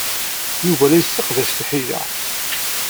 Yuba la yesseqdac tiḥila.